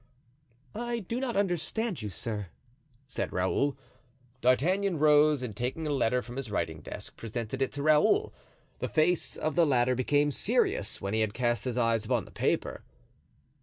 "I do not understand you, sir," said Raoul. D'Artagnan rose, and taking a letter from his writing desk, presented it to Raoul. The face of the latter became serious when he had cast his eyes upon the paper.